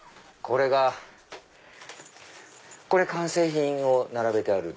これ完成品を並べてある？